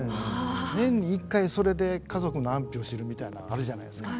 年に一回それで家族の安否を知るみたいなのあるじゃないですか。